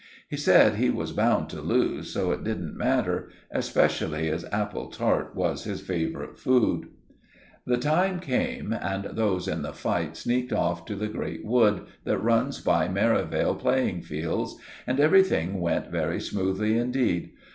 He said he was bound to lose, so it didn't matter, especially as apple tart was his favourite food. The time came, and those in the fight sneaked off to the great wood that runs by Merivale playing fields, and everything went very smoothly indeed.